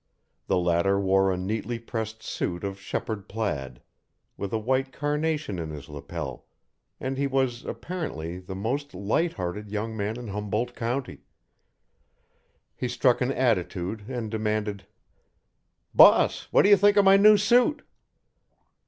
The latter wore a neatly pressed suit of Shepherd plaid, with a white carnation in his lapel, and he was, apparently, the most light hearted young man in Humboldt County. He struck an attitude and demanded: "Boss, what do you think of my new suit?"